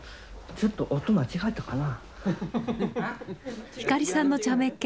ちょっと間違えたかな。